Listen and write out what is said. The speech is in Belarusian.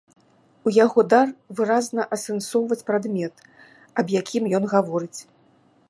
У яго дар выразна асэнсоўваць прадмет, аб якім ён гаворыць.